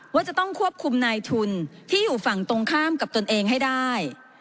ว่าจะต้องควบคุมนายทุนที่อยู่ฝั่งตรงข้ามกับตนเองให้ได้